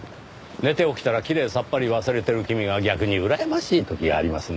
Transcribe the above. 寝て起きたらきれいさっぱり忘れてる君が逆にうらやましい時がありますねぇ。